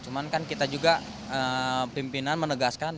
cuman kan kita juga pimpinan menegaskan